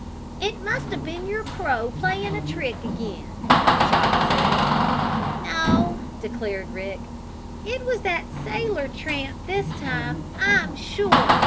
"It must have been your crow, playing a trick again," Chot said. "No," declared Rick. "It was that sailor tramp, this time, I'm sure.